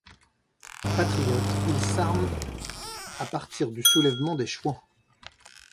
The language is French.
Patriote, il s'arme à partir du soulèvement des Chouans.